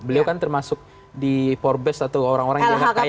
beliau kan termasuk di forbes atau orang orang yang berkaya